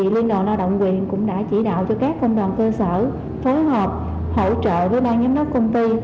liên đoàn lao động quyền cũng đã chỉ đạo cho các công đoàn cơ sở phối hợp hỗ trợ với bang giám đốc công ty